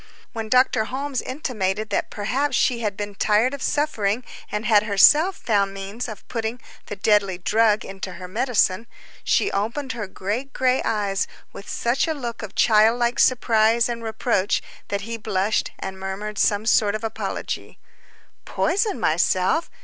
When Dr. Holmes intimated that perhaps she had been tired of suffering, and had herself found means of putting the deadly drug into her medicine, she opened her great gray eyes, with such a look of child like surprise and reproach, that he blushed, and murmured some sort of apology. "Poison myself?"